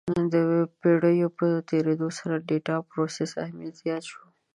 د پېړیو په تېرېدو سره د ډیټا پروسس اهمیت زیات شو.